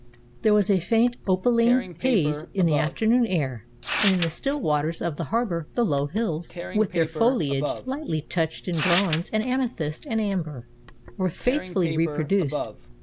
There was a faint, opaline haze in the afternoon air, and in the still waters of the harbor the low hills, with their foliage lightly touched in bronze and amethyst and amber, were faithfully reproduced.